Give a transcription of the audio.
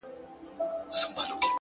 هوښیار انسان د خبرو وزن پېژني!